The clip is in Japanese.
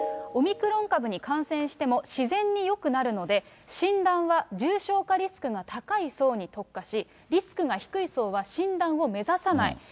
オミクロン株に感染しても自然によくなるので、診断は重症化リスクが高い層に特化し、リスクが低い層は診断を目指さない。